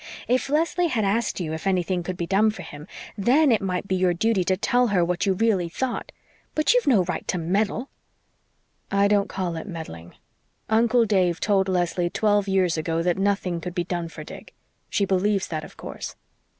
"If Leslie had asked you if anything could be done for him, THEN it might be your duty to tell her what you really thought. But you've no right to meddle." "I don't call it meddling. Uncle Dave told Leslie twelve years ago that nothing could be done for Dick. She believes that, of course."